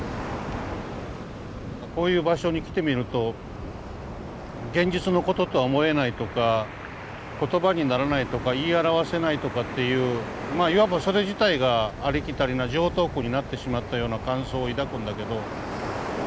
こういう場所に来てみると現実のこととは思えないとか言葉にならないとか言い表せないとかっていうまあいわばそれ自体がありきたりな常套句になってしまったような感想を抱くんだけど。